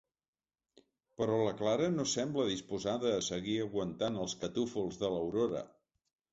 Però la Clara no sembla disposada a seguir aguantant els catúfols de l'Aurora.